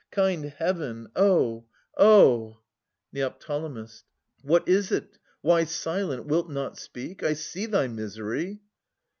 Kind Heaven ! Oh, oh ! Neo. What is't ? Why silent ? Wilt not speak ? I see thy misery.